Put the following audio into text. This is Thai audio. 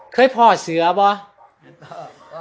เคยพ่อเสือป่ะ